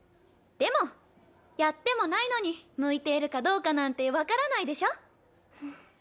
でもやってもないのに向いているかどうかなんて分からないでしょ？